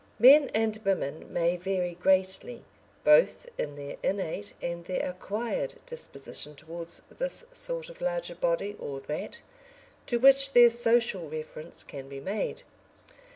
Men and women may vary greatly both in their innate and their acquired disposition towards this sort of larger body or that, to which their social reference can be made.